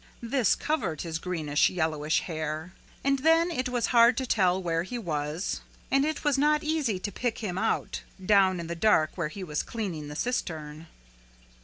This covered his greenish yellowish hair. And then it was hard to tell where he was and it was not easy to pick him out down in the dark where he was cleaning the cistern.